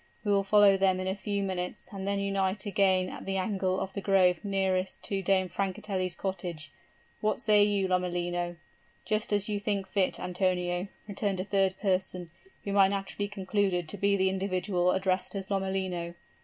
We will follow them in a few minutes, and then unite again at the angle of the grove nearest to Dame Francatelli's cottage. What say you, Lomellino?' 'Just as you think fit, Antonio,' returned a third person, whom I naturally concluded to be the individual addressed as Lomellino.